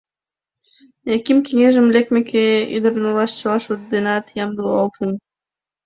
Яким, кеҥежыш лекмеке, ӱдыр налаш чыла шот денат ямдылалтын.